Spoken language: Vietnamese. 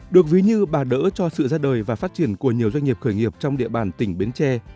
được ví như bà đỡ cho sự ra đời và phát triển của nhiều doanh nghiệp khởi nghiệp trong địa bàn tỉnh bến tre